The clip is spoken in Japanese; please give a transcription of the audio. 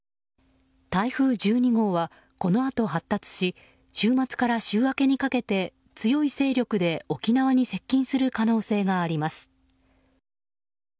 台風１２号はこのあと発達し週末から週明けにかけて強い勢力で沖縄に接近する可能性があります。